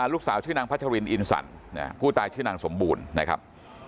ลูกสาวชื่อนางพระชะวินอินสันเนี่ยผู้ตายชื่อนางสมบูรณ์นะครับ